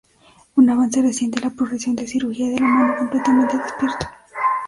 Un avance reciente es la progresión de 'cirugía de la mano completamente despierto.